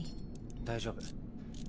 大丈夫。